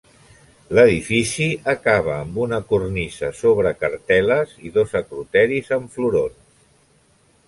L'edifici acaba amb una cornisa sobre cartel·les i dos acroteris amb florons.